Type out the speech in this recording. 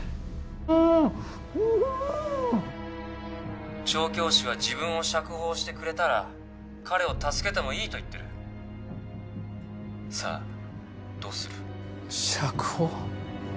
ううっ調教師は自分を釈放してくれたら彼を助けてもいいと言ってるさあどうする？釈放！？